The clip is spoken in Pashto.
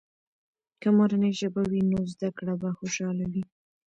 که مورنۍ ژبه وي، نو زده کړه به خوشحاله وي.